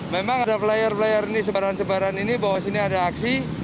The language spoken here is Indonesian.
memang ada pelayar flayar ini sebaran sebaran ini bahwa sini ada aksi